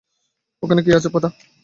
ওখানে কে আছে পিতা?